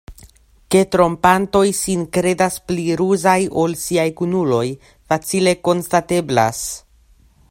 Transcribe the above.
Ke trompantoj sin kredas pli ruzaj ol siaj kunuloj, facile konstateblas.